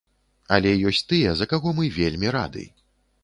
Але ёсць тыя, за каго мы вельмі рады.